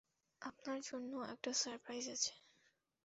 আপনার জন্য একটা সারপ্রাইজ আছে।